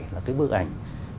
là cái bức ảnh